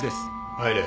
入れ。